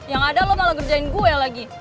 yang ada lo malah ngerjain gue lagi